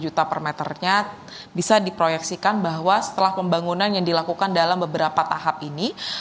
dua juta per meternya bisa diproyeksikan bahwa setelah pembangunan yang dilakukan dalam beberapa tahap ini